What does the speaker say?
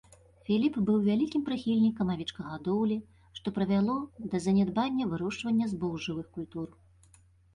Філіп быў вялікім прыхільнікам авечкагадоўлі, што прывяло да занядбання вырошчвання збожжавых культур.